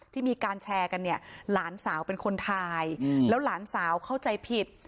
ที่มีการแชร์กันเนี่ยหลานสาวเป็นคนถ่ายแล้วหลานสาวเข้าใจผิด